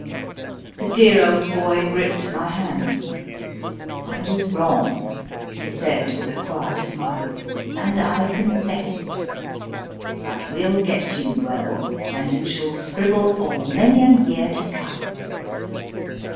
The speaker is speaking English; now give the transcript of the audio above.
The dear old boy gripped my hand. I was wrong/ he said, with a quiet smile, and I confess it ; but we ll get you well, and you shall scribble for many a year to come.